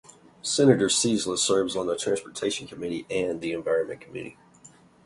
Senator Ciesla serves on the Transportation Committee and the Environment Committee.